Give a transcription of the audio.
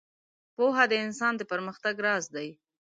• پوهه د انسان د پرمختګ راز دی.